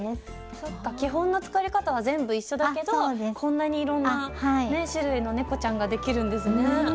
そっか基本の作り方は全部一緒だけどこんなにいろんなね種類のねこちゃんができるんですね。